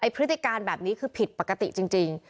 พฤติการแบบนี้คือผิดปกติจริง